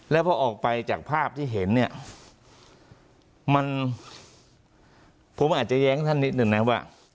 แล้วพอออกไปจากภาพที่เห็นเนี่ยมันผมอาจจะแย้งท่านนิดหนึ่งนะว่า